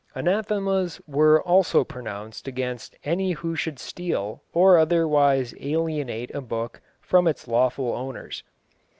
Anathemas were also pronounced against any who should steal or otherwise alienate a book from its lawful owners.